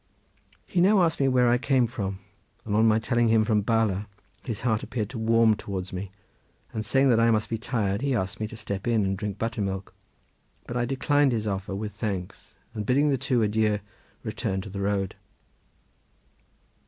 He now asked me where I came from, and on my telling him from Bala, his heart appeared to warm towards me, and saying that I must be tired, he asked me to step in and drink buttermilk, but I declined his offer with thanks, and bidding the two adieu returned to the road.